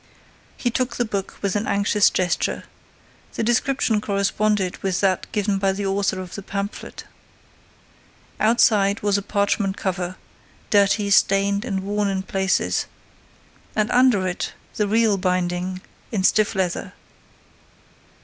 He took the book with an anxious gesture. The description corresponded with that given by the author of the pamphlet. Outside was a parchment cover, dirty, stained and worn in places, and under it, the real binding, in stiff leather.